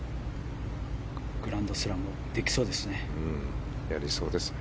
グランドスラムできそうですね。